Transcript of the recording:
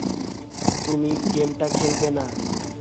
তুমি গেমটা খেলবে না।